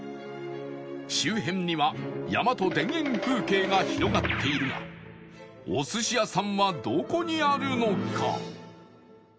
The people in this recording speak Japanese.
周辺には山と田園風景が広がっているがお寿司屋さんはどこにあるのか？